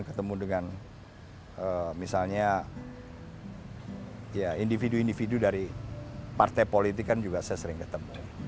ketemu dengan misalnya individu individu dari partai politik kan juga saya sering ketemu